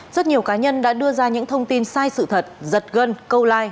rất nhiều cá nhân đã đưa ra những thông tin sai sự thật giật gân câu like